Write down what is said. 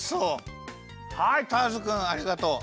はいターズくんありがとう。